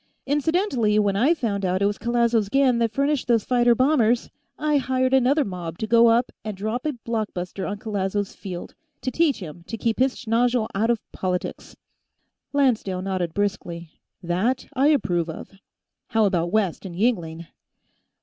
Incidentally, when I found out it was Callazo's gang that furnished those fighter bombers, I hired another mob to go up and drop a block buster on Callazo's field, to teach him to keep his schnozzle out of politics." Lancedale nodded briskly. "That I approve of. How about West and Yingling?"